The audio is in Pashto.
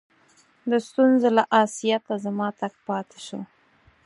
د ستونزو له آسیته زما تګ پاته سو.